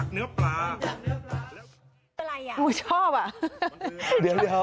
เดี๋ยว